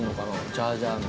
ジャージャー麺。